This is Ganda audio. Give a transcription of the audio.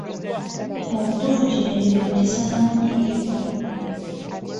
Mu butuufu gino emirimu gisaana munyiikivu.